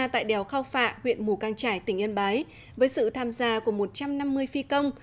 tại đèo khao phạ huyện mù căng trải tỉnh yên bái với sự tham gia của một trăm năm mươi phi công